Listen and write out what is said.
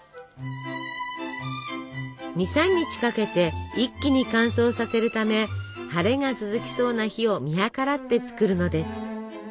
２３日かけて一気に乾燥させるため晴れが続きそうな日を見計らって作るのです。